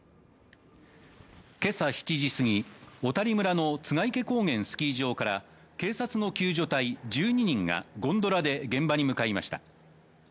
今朝７時過ぎ、小谷村の栂池高原スキー場から警察の救助隊１２人がゴンドラで現場に向かいました。